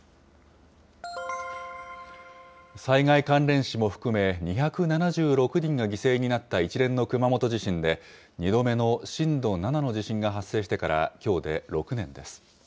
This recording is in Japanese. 災害関連死も含め、２７６人が犠牲になった一連の熊本地震で、２度目の震度７の地震が発生してからきょうで６年です。